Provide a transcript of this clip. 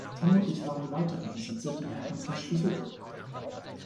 Vermutlich waren weitere Besitzer die Herren von Schlüsselburg.